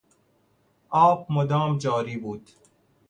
آب مدام جاری بود.